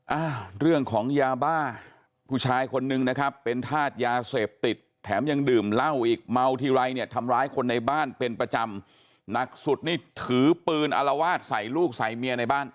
อ้าวเรื่องของยาบ้าผู้ชายคนนึงนะครับเป็นธาตุยาเสพติดแถมยังดื่มเหล้าอีกเมาทีไรเนี่ยทำร้ายคนในบ้านเป็นประจำหนักสุดนี่ถือปืนอารวาสใส่ลูกใส่เมียในบ้าน